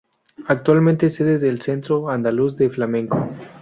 Actualmente es sede del Centro Andaluz de Flamenco.